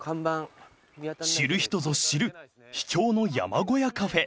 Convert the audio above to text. ［知る人ぞ知る秘境の山小屋カフェ］